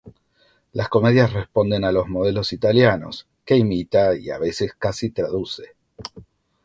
Las comedias responden a los modelos italianos, que imita y a veces casi traduce.